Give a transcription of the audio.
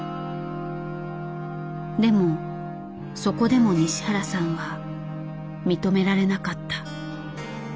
でもそこでも西原さんは認められなかった。